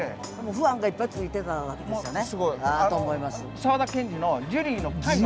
ファンがいっぱいついてたんですよね。